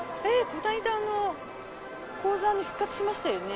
この間、高座に復活しましたよね。